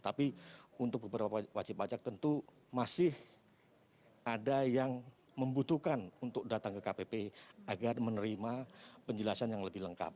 tapi untuk beberapa wajib pajak tentu masih ada yang membutuhkan untuk datang ke kpp agar menerima penjelasan yang lebih lengkap